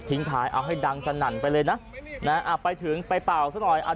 ท้ายเอาให้ดังสนั่นไปเลยนะอ่ะไปถึงไปเป่าซะหน่อยอ่ะ